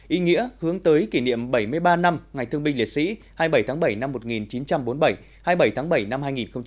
ý nghĩa hướng tới kỷ niệm bảy mươi ba năm ngày thương binh liệt sĩ hai mươi bảy tháng bảy năm một nghìn chín trăm bốn mươi bảy hai mươi bảy tháng bảy năm hai nghìn hai mươi